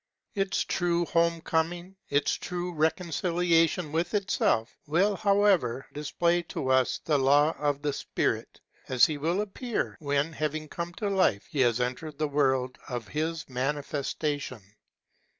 Its true home coming, its true reconciliation with itself, will, however, display to us the law of the Spirit, as he will appear when, having come to life, he has entered the world of his manifestation.